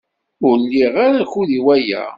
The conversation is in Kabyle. Ur liɣ ara akud i waya.